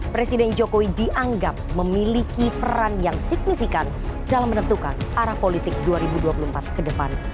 presiden jokowi dianggap memiliki peran yang signifikan dalam menentukan arah politik dua ribu dua puluh empat ke depan